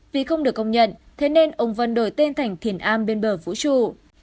vì không được công nhận thế nên ông vân đổi tên thành thiền a bên bờ vũ trụ